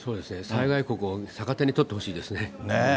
災害国を逆手に取ってほしいですね。